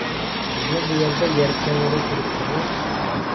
بىزنىڭ بۇ يەردە يەر كەڭرى تۇرۇپتىغۇ...